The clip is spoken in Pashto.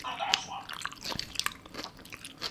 امام نووي د دغه حديث اړوند څه ليکلي دي؟